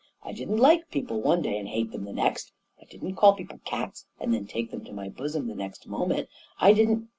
I didn't like people one day and hate them the next; I didn't call people cats and then take them to my bosom the next moment I I didn't «